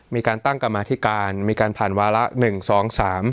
มีการตั้งกรรมาธิการมีการผ่านวาระ๑๒๓